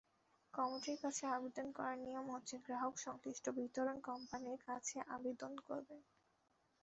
কমিটির কাছে আবেদন করার নিয়ম হচ্ছে, গ্রাহক সংশ্লিষ্ট বিতরণ কোম্পানির কাছে আবেদন করবেন।